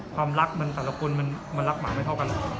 ความรักมันแต่ละคนมันรักหมาไม่เท่ากันหรอก